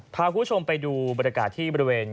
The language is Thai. พาคุณผู้ชมไปดูบรรยากาศที่บริเวณ